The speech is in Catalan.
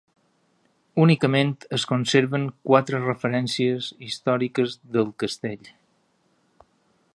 Únicament es conserven quatre referències històriques del castell.